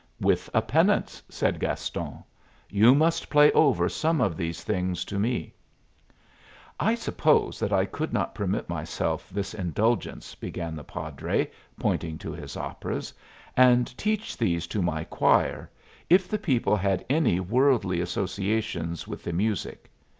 "With a penance," said Gaston. "You must play over some of these things to me." "I suppose that I could not permit myself this indulgence," began the padre, pointing to his operas; "and teach these to my choir, if the people had any worldly associations with the music.